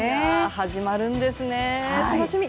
始まるんですね、楽しみ！